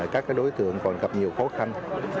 các cái đối tượng còn gặp nhiều khó khăn